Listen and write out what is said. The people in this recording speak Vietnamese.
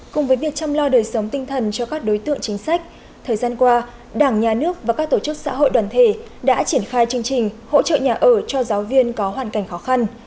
cùng với việc chăm lo đời sống tinh thần cho các đối tượng chính sách thời gian qua đảng nhà nước và các tổ chức xã hội đoàn thể đã triển khai chương trình hỗ trợ nhà ở cho giáo viên có hoàn cảnh khó khăn